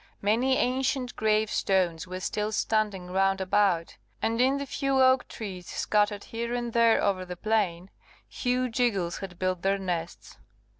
Many ancient grave stones were still standing round about; and in the few oak trees scattered here and there over the plain, huge eagles had built their nests.